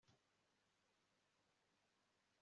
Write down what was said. reka abagore bafate iyambere